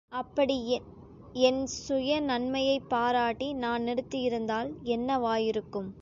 ஆயினும் அப்படி என் சுய நன்மையைப் பாராட்டி நான் நிறுத்தியிருந்தால் என்னவாயிருக்கும்?